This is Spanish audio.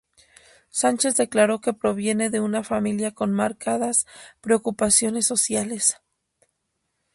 Sánchez declaró que proviene de una familia con marcadas preocupaciones sociales.